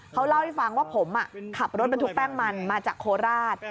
เขาเล่าให้ฟังว่าผมขับรถบรรทุกแป้งมันมาจากโคราช